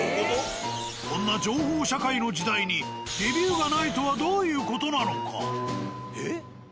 こんな情報社会の時代にレビューがないとはどういう事なのか？